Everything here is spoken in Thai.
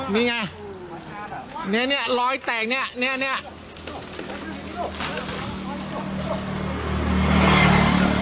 มีไงเนี้ยเนี้ยร้อยแตกเนี้ยเนี้ยเนี้ย